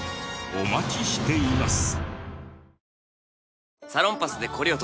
お待ちしています。